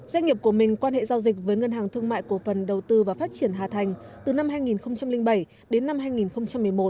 doanh nghiệp của mình quan hệ giao dịch với ngân hàng thương mại cổ phần đầu tư và phát triển hà thành từ năm hai nghìn bảy đến năm hai nghìn một mươi một